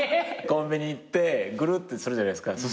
コンビニ行ってぐるってするじゃないですか。